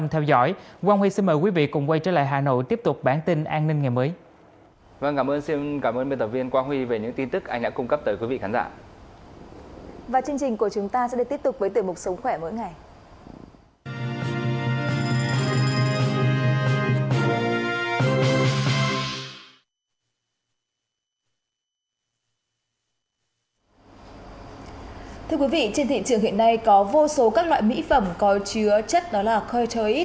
thưa quý vị trên thị trường hiện nay có vô số các loại mỹ phẩm có chứa chất coticoid